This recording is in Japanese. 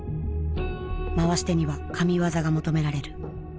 回し手には神業が求められる。